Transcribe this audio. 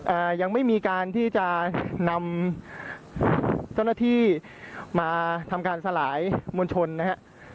อ่ายังไม่มีการที่จะนำเจ้าหน้าที่มาทำการสลายมวลชนนะฮะ